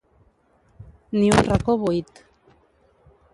Ni un racó buit.